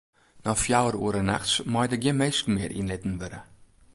Nei fjouwer oere nachts meie der gjin minsken mear yn litten wurde.